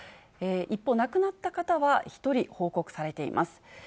一方、亡くなった方は１人報告されています。